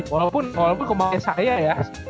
walaupun kemarin saya ya